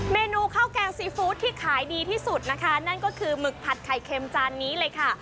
เมนูข้าวแกงซีฟู้ดที่ขายดีที่สุดนะคะนั่นก็คือหมึกผัดไข่เค็มจานนี้เลยค่ะ